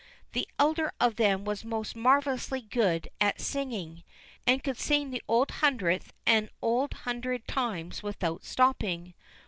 The elder of them was most marvelously good at singing, and could sing the Old Hundredth an old hundred times without stopping.